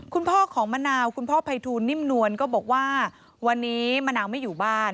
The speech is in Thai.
คุณพ่อของมะนาวคุณพ่อภัยทูลนิ่มนวลก็บอกว่าวันนี้มะนาวไม่อยู่บ้าน